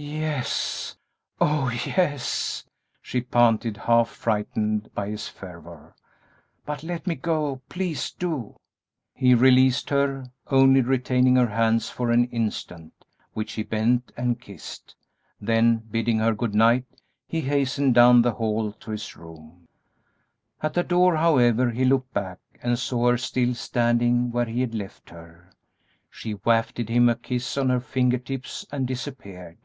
"Yes, oh yes!" she panted, half frightened by his fervor; "but let me go; please do!" He released her, only retaining her hands for an instant, which he bent and kissed; then bidding her good night, he hastened down the hall to his room. At the door, however, he looked back and saw her still standing where he had left her. She wafted him a kiss on her finger tips and disappeared.